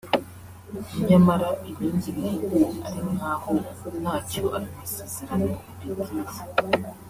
nyamara ibindi bihugu ari nk’aho ntacyo ayo masezerano abibwiye